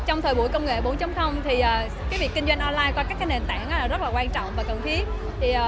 trong thời buổi công nghệ bốn thì việc kinh doanh online qua các nền tảng rất là quan trọng và cần thiết